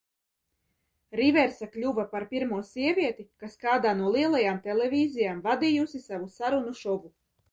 Riversa kļuva par pirmo sievieti, kas kādā no lielajām televīzijām vadījusi savu sarunu šovu.